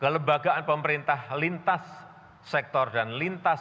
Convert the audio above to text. kelembagaan pemerintah lintas sektor dan lintas